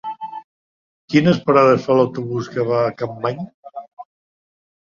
Quines parades fa l'autobús que va a Capmany?